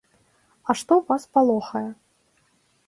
А што вас палохае?